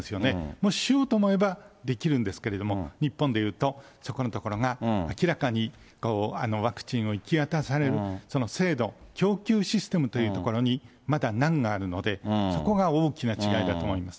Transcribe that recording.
もししようと思えばできるんですけれども、日本でいうとそこのところが明らかにワクチンを行き渡される制度、供給システムというところにまだ難があるので、そこが大きな違いだと思います。